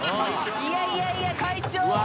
いやいやいや会長！